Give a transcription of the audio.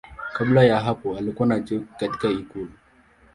Kabla ya hapo alikuwa na cheo katika ikulu.